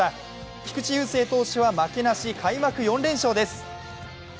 菊池雄星投手は負けなし、開幕４連勝です。